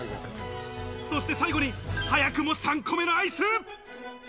そして最後に早くも３個目のアイス。